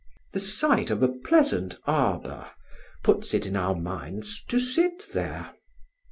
The sight of a pleasant arbour puts it in our minds to sit there.